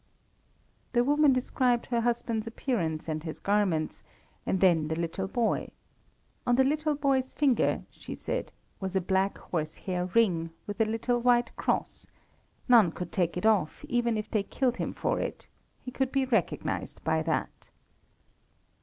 The woman described her husband's appearance and his garments, and then the little boy. On the little boy's finger, she said, was a black horsehair ring, with a little white cross. None could take it off, even if they killed him for it; he could be recognized by that.